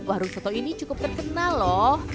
warung soto ini cukup terkenal loh